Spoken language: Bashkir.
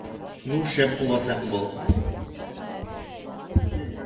Ну, шәп буласаҡ был!